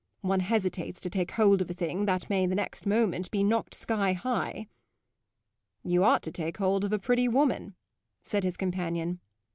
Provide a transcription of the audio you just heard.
One hesitates to take hold of a thing that may the next moment be knocked sky high." "You ought to take hold of a pretty woman," said his companion.